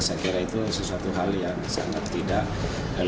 saya kira itu sesuatu hal yang sangat tidak